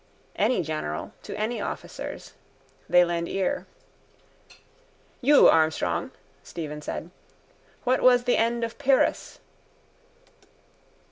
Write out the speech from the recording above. Any general to any officers. They lend ear. —You, Armstrong, Stephen said. What was the end of Pyrrhus?